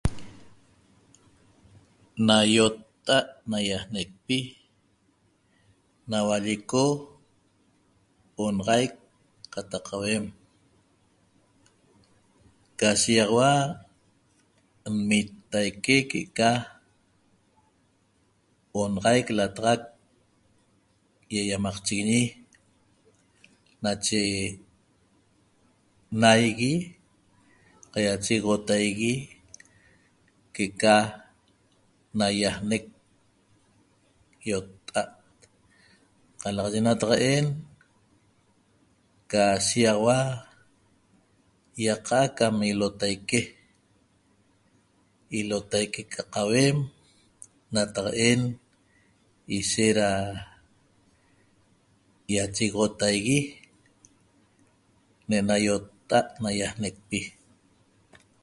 Na iotta'at naiaanecpi naua lleco onaxaic qataq qauem ca shigaxaua mnitaique que'eca onaxaic lataxac iaiamacchiguiñe nache naigui qaiachexotaigui que'eca naiaanec iotta'a qalaxaye nataqaen ca shigaxaua ca iaqa'a ca ilotaque, ilotaique ca qauem nataqaen ishet da iachexotaigui ne'ena iotta'at naiaanecpi